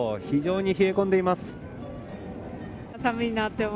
非常に冷え込んでいます。